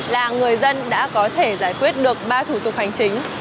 là người dân đã có thể giải quyết được ba thủ tục hành chính